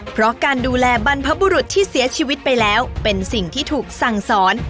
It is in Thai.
เพราะการดูแลบรรพบุรุษที่เสียชีวิตไปแล้วเป็นสิ่งที่ถูกสั่งสอน